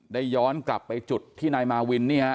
ย้อนกลับไปจุดที่นายมาวินนี่ฮะ